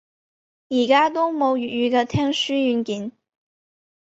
而家都冇粵語嘅聽書軟件